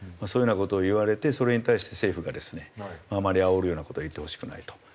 そういうような事を言われてそれに対して政府がですねあまりあおるような事は言ってほしくないと。